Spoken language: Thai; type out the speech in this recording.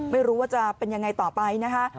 ไม่รู้ว่าจะเป็นยังไงต่อไปนะคะ